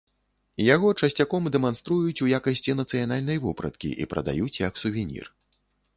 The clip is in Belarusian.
Яго часцяком дэманструюць у якасці нацыянальнай вопраткі і прадаюць як сувенір.